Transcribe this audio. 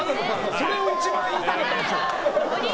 それを一番言いたかったんですね。